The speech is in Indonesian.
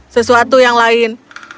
sesuatu yang lain